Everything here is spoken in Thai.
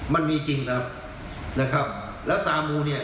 มันมีจริงครับนะครับแล้วซามูเนี่ย